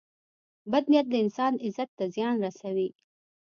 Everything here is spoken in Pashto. • بد نیت د انسان عزت ته زیان رسوي.